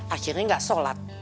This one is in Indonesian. akhirnya gak sholat